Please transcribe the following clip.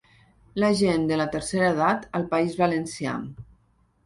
La gent de la tercera edat al País Valencià.